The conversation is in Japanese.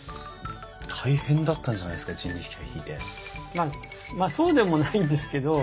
まあまあそうでもないんですけど。